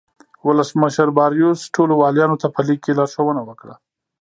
ولسمشر باریوس ټولو والیانو ته په لیک کې لارښوونه وکړه.